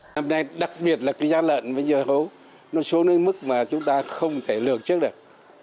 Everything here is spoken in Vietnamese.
năm nay đặc biệt là cái gian lận bây giờ hấu nó xuống đến mức mà chúng ta không thể lược trước được